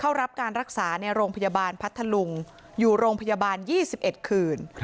เข้ารับการรักษาในโรงพยาบาลพัทธลุงอยู่โรงพยาบาล๒๑คืน